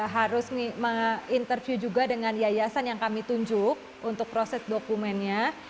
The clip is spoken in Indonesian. harus menginterview juga dengan yayasan yang kami tunjuk untuk proses dokumennya